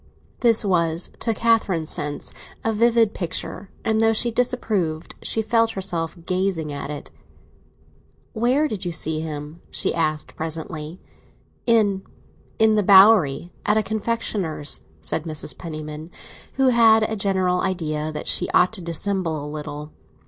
This was, to Catherine's sense, a vivid picture, and though she disapproved, she felt herself gazing at it. "Where did you see him?" she asked presently. "In—in the Bowery; at a confectioner's," said Mrs. Penniman, who had a general idea that she ought to dissemble a little.